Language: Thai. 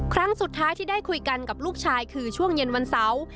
ครั้งสุดท้ายที่ได้คุยกันกับลูกชายคือช่วงเย็นวันเสาร์